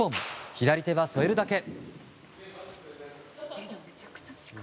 左手は添えるだけ。